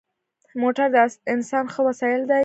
موټر د انسان ښه وسایل دی.